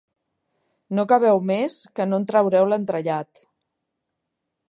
No caveu més, que no en traureu l'entrellat.